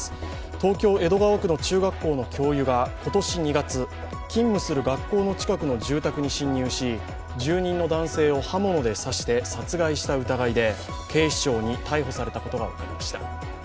東京・江戸川区の中学校の教諭が今年２月勤務する学校の近くの住宅に侵入し住人の男性を刃物で刺して殺害した疑いで警視庁に逮捕されたことが分かりました。